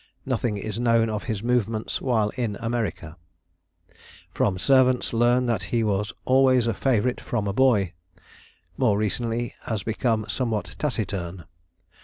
Nothing is known of his movements while in America. "From servants learn that he was always a favorite from a boy. More recently has become somewhat taciturn.